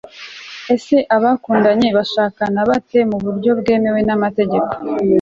ese abakundanye, bashakana bate mu buryo bwemewe n'amategeko